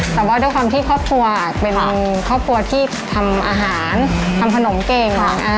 แต่ว่าด้วยความที่ครอบครัวเป็นครอบครัวที่ทำอาหารทำขนมเก่ง